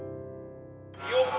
よっ！